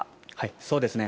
そうですね。